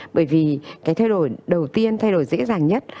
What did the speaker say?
bởi vì cái thay đổi đầu tiên thay đổi dễ dàng nhất